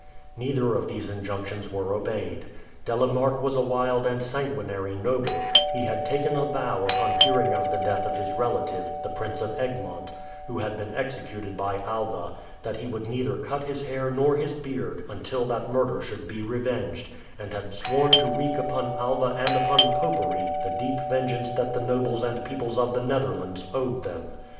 Neither of these injunctions were obeyed. De la Marck was a wild and sanguinary noble; he had taken a vow upon hearing of the death of his relative, the Prince of Egmont, who had been executed by Alva, that he would neither cut his hair nor his beard until that murder should be revenged, and had sworn to wreak upon Alva and upon Popery the deep vengeance that the nobles and peoples of the Netherlands owed them.